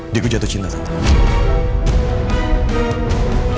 diego jatuh cinta tante